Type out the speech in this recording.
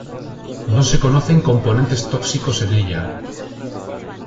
No se conocen componentes tóxicos en ella.